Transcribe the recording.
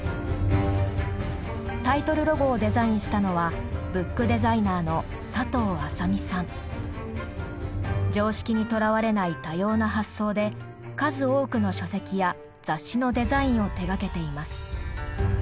タイトルロゴをデザインしたのは常識にとらわれない多様な発想で数多くの書籍や雑誌のデザインを手がけています。